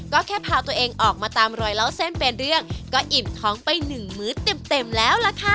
ก็แค่พาตัวเองออกมาตามรอยเล่าเส้นเป็นเรื่องก็อิ่มท้องไปหนึ่งมื้อเต็มแล้วล่ะค่ะ